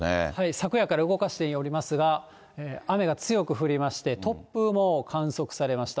昨夜から動かしておりますが、雨が強く降りまして、突風も観測されました。